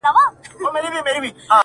بس ما هم پیدا کولای سی یارانو-